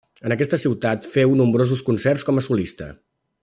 En aquesta ciutat féu nombrosos concerts com a solista.